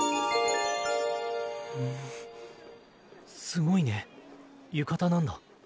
すごいね浴衣なんだ。